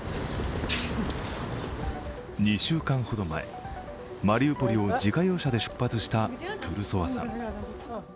２週間ほど前、マリウポリを自家用車で出発したトゥルソワさん。